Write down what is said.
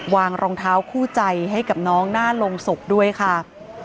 วางรองเท้าคู่ใจให้กับน้องน่าลงศกด้วยค่ะ